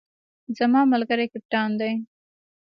زما ملګری کپتان دی